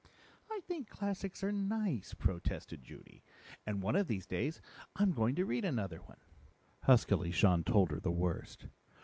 "I think classics are nice," protested Judy, "and one of these days I'm going to read another one." Huskily Jean told her the worst.